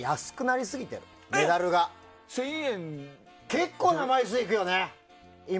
結構な枚数いくよね、今。